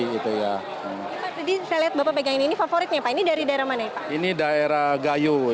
jadi saya lihat bapak pegang ini ini favoritnya pak ini dari daerah mana pak